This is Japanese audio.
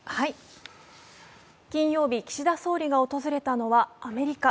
金曜日、岸田総理が訪れたのはアメリカ。